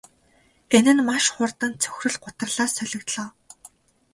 Энэ нь маш хурдан цөхрөл гутралаар солигдлоо.